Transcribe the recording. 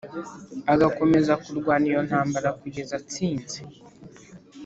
agakomeza kurwana iyo ntambara kugeza atsinze